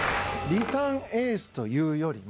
リターンエースというよりも、